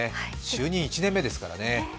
就任１年目ですからね。